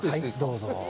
どうぞ。